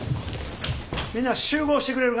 みんな集合してくれるか。